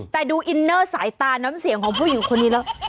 แต่ดูอินเนอร์สายตาน้ำเสียงของผู้หญิงคนนี้แล้ว